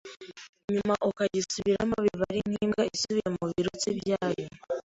nyuma ukagisubiramo biba ari nk’imbwa isubiye mubirutsi byayo